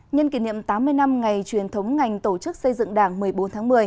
nhân kỷ niệm tám mươi năm ngày truyền thống ngành tổ chức xây dựng đảng một mươi bốn tháng một mươi